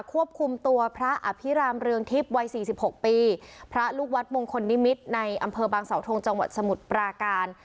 ควบคุมตัวพระอภิรามเรืองทิพย์วัยสี่สิบหกปีพระลูกวัดมงคลนิมิตรในอำเภอบางสาวทงจังหวัดสมุทรปราการ